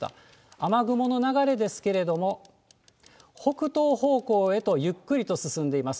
雨雲の流れですけれども、北東方向へとゆっくりと進んでいます。